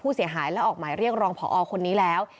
ผู้เสียหายและออกหมายเรียกรองพอคนนี้แล้ว